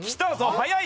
早い！